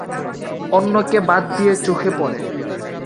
অন্যকে বাদ দিয়ে চোখে পড়ে।